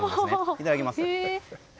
いただきます。